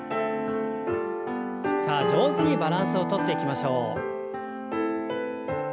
さあ上手にバランスをとっていきましょう。